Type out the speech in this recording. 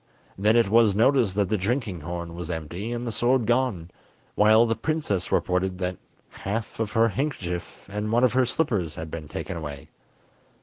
Then it was noticed that the drinking horn was empty and the sword gone, while the princess reported that half of her handkerchief and one of her slippers had been taken away.